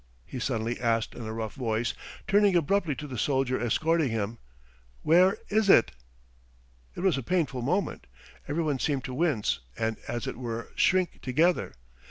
he suddenly asked in a rough voice, turning abruptly to the soldier escorting him. "Where is it?" It was a painful moment! Everyone seemed to wince and as it were shrink together.